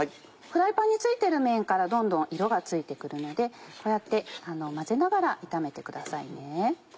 フライパンについてる面からどんどん色がついて来るのでこうやって混ぜながら炒めてくださいね。